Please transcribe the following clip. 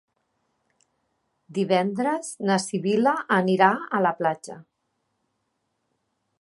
Divendres na Sibil·la anirà a la platja.